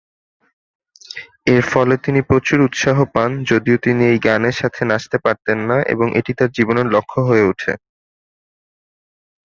এরফলে তিনি প্রচুর উৎসাহ পান, যদিও তিনি এই গানে সাথে নাচতে পারতেন না এবং এটি তার জীবনের লক্ষ্য হয়ে উঠে।